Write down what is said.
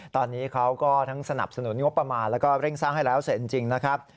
ตอนนี้เขาก็ทั้งสนับสนุนงบประมาณแล้วก็เร่งสร้างให้แล้วเสร็จจริงนะครับ